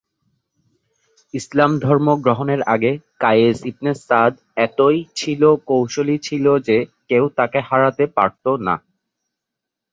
ইসলাম ধর্ম গ্রহণের আগে কায়েস ইবনে সা'দ এতই ছিলো কৌশলী ছিলো যে কেউ তাকে হারাতে পারতো না।